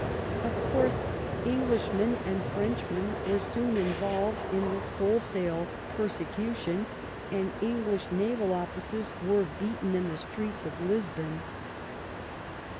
Of course^ Englishmen and Frenchmen were soon involved in this wholesale persecution, and Eng lish naval officers were beaten in the streets of Lisbon.